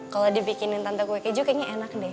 kalau dibikinin tante kue keju kayaknya enak deh